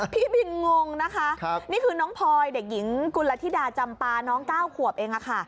พี่บินงงนะคะนี่คือน้องพลอยเด็กหญิงกุลธิดาจำปาน้อง๙ขวบเองค่ะ